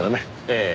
ええ。